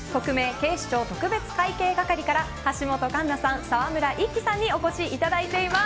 警視庁特別会計係から橋本環奈さん、沢村一樹さんにお越しいただいています。